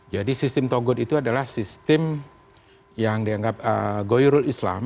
jadi sistem togut itu adalah sistem yang dianggap goyurul islam